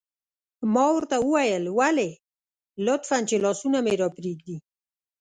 ما ورته وویل: ولې؟ لطفاً، چې لاسونه مې را پرېږدي.